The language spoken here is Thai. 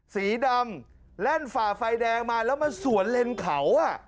สีดำแล่นฝ่าไฟแดงมาแล้วมาสวนเลนเขา